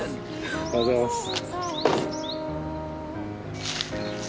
おはようございます。